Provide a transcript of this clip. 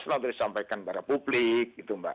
selalu disampaikan kepada publik